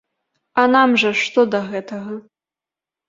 А нам жа што да гэтага?